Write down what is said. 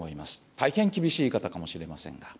大変厳しい言い方かもしれませんが。